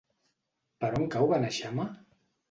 Per on cau Beneixama?